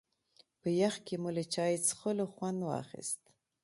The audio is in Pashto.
په يخ کې مو له چای څښلو خوند واخيست.